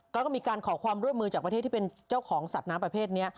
ก็มีการขอความร่วมมือจากประเทศที่เป็นเจ้าของสัตว์น้ำประเภทนี้